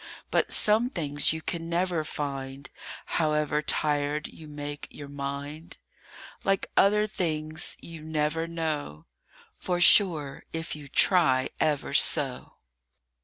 BUT some things you can never find, However tired you make your mind; Like other things you never know For sure if you try ever so.